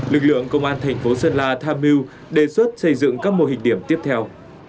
lực lượng công an thành phố sơn la tham mưu đề xuất xây dựng các mô hình điểm tiếp theo